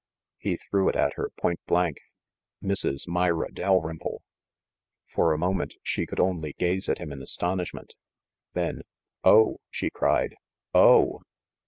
He threw it at her pointblank. "Mrs. Myra Dal rymple !" For a moment she could only gaze at him in aston ishment. Then, "Oh!" she cried. "Oh!"